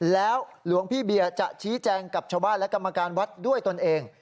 แล้วหลวงพี่เบียร์จะชี้แจงกับชาวบ้านและกรรมการวัดด้วยตนเอง